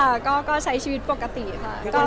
ค่ะก็ใช้ชีวิตปกติค่ะ